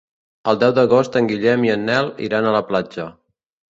El deu d'agost en Guillem i en Nel iran a la platja.